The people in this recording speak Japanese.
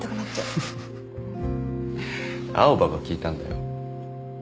フフ青羽が聞いたんだよ。